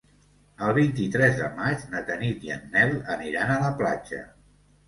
El vint-i-tres de maig na Tanit i en Nel aniran a la platja.